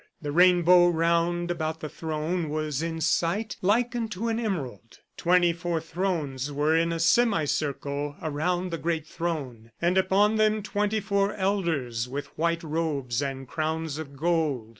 The rainbow round about the throne was in sight like unto an emerald. Twenty four thrones were in a semicircle around the great throne, and upon them twenty four elders with white robes and crowns of gold.